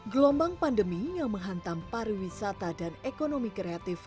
telompok pandeminya menghantam pariwisata dan ekonomi kreatif